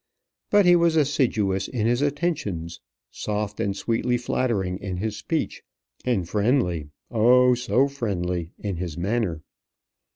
But he was assiduous in his attentions, soft and sweetly flattering in his speech, and friendly, oh, so friendly, in his manner!